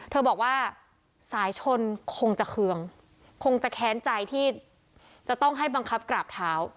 เธอบอกว่าสายชนคงจะเคืองคงจะแค้นใจที่จะต้องให้บังคับกราบเท้า